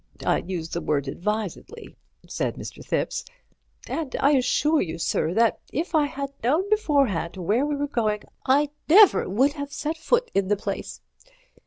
I use the word advisedly," said Mr. Thipps, "and I assure you, sir, that if I had known beforehand where we were going I never would have set foot in the place.